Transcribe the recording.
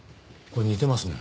これ似てますね。